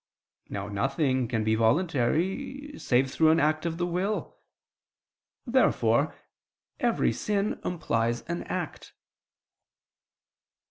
Now nothing can be voluntary, save through an act of the will. Therefore every sin implies an act.